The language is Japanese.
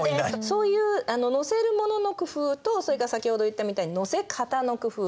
そういう載せるものの工夫とそれから先ほど言ったみたいに載せ方の工夫。